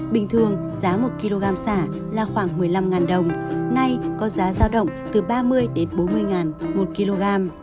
bình thường giá một kg xả là khoảng một mươi năm đồng nay có giá giao động từ ba mươi đến bốn mươi ngàn một kg